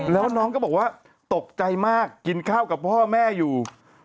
แล้วน้องก็บอกว่าตกใจมากกินข้าวกับพ่อแม่อยู่